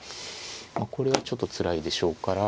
まあこれはちょっとつらいでしょうから。